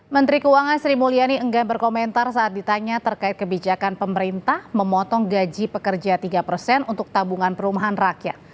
menteri keuangan sri mulyani enggan berkomentar saat ditanya terkait kebijakan pemerintah memotong gaji pekerja tiga persen untuk tabungan perumahan rakyat